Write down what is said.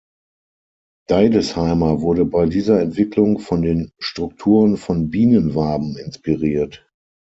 Deidesheimer wurde bei dieser Entwicklung von den Strukturen von Bienenwaben inspiriert.